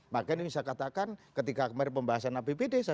maka ini bisa katakan ketika kita melakukan pembebasan dengan pemerintah pusat